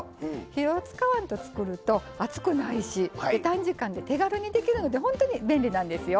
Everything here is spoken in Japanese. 火を使わんと作ると熱くないし短時間で手軽にできるので本当に便利なんですよ。